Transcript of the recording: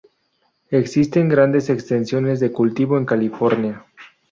Existen grandes extensiones de cultivo en California.